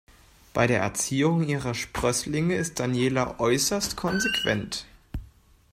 Bei der Erziehung ihrer Sprösslinge ist Daniela äußerst konsequent.